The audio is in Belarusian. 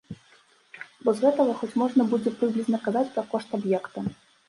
Бо з гэтага хоць можна будзе прыблізна казаць пра кошт аб'екта.